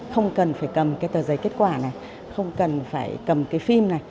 không cần phải cầm cái tờ giấy kết quả này không cần phải cầm cái phim này